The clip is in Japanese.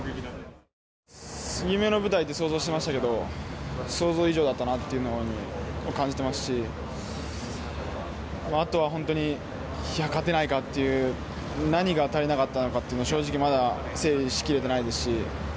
夢の舞台って想像していましたけど想像以上だったなというのを感じていますしあとは本当に勝てないかという何が足りなかったのかは正直、まだ整理しきれてないですし